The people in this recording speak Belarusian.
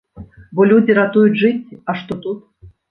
Бо людзі ратуюць жыцці, а што тут?